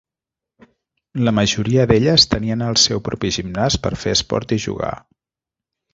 La majoria d'elles tenien el seu propi gimnàs per fer esport i jugar.